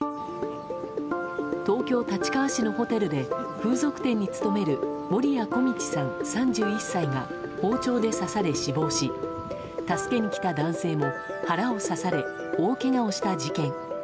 東京・立川市のホテルで風俗店に勤める守屋径さん、３１歳が包丁で刺され死亡し助けに来た男性も腹を刺され大けがをした事件。